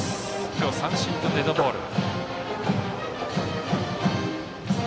今日、三振とデッドボール。